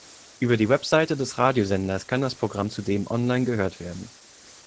Über die Webseite des Radiosenders kann das Programm zudem online gehört werden.